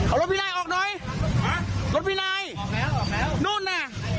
เอารถพี่นายออกหน่อยรถพี่นายออกแล้วออกแล้วนู่นน่ะ